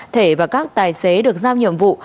thể và các tài xế được giao nhiệm vụ